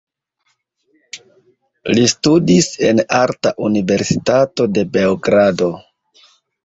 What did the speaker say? Li studis en arta universitato de Beogrado.